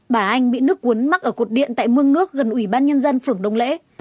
bà anh bị nước cuốn mắc ở cột điện tại mương nước gần ủy ban nhân dân phường đông lễ